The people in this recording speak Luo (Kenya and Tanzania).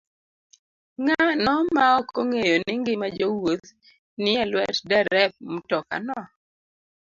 Ng'ano maok ong'eyo ni ngima jowuoth ni e lwet derep mtokano?